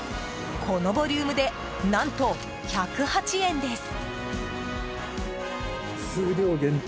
このボリュームで何と、１０８円です。